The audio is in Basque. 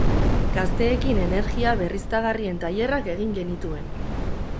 Gazteenekin energia berriztagarrien tailerrak egin genituen.